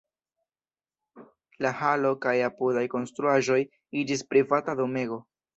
La halo kaj apudaj konstruaĵoj iĝis privata domego.